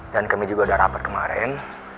dan kami juga udah rapat kemarin